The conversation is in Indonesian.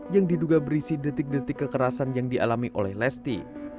yang diduga berisi detik detik kekerasan yang dialami oleh lesti